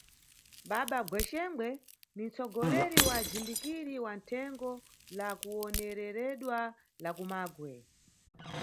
Baba Gwexengwe ni nʼtsogoleri wa ajimbikiri wa Thengo la kuwonereredwa la kuMagwe.